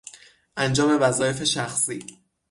انجام وظایف شخصی